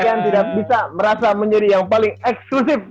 yang tidak bisa merasa menjadi yang paling eksklusif